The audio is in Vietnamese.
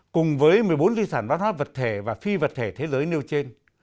cùng với một mươi bốn di sản văn hóa vật thể và phi vật thể thế giới nêu trên